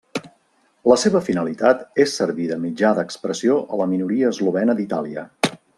La seva finalitat és servir de mitjà d'expressió a la minoria eslovena d'Itàlia.